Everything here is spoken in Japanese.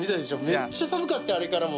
めっちゃ寒くてあれからも。